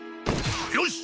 よし！